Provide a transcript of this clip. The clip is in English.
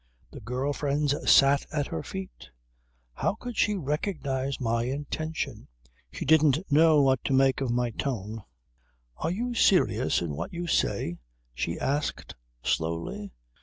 The girl friends sat at her feet. How could she recognize my intention. She didn't know what to make of my tone. "Are you serious in what you say?" she asked slowly.